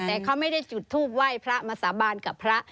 แต่เขาไม่ได้จุดทูปไหว้พระมาสาบานกับพระ